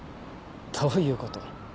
どういうこと？